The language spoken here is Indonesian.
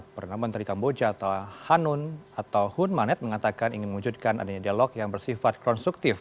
perdana menteri kamboja tahanun atau hun manet mengatakan ingin mewujudkan adanya dialog yang bersifat konstruktif